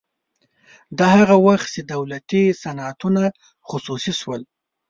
دا هغه وخت چې دولتي صنعتونه خصوصي شول